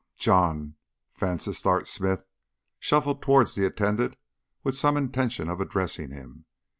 John Vansittart Smith shuffled towards the attendant with some intention of addressing him.